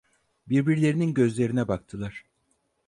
Birbirlerinin gözlerine baktılar…